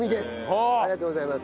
ありがとうございます。